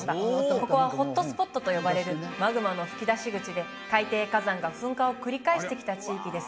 ここはホットスポットと呼ばれるマグマの噴き出し口で海底火山が噴火を繰り返してきた地域です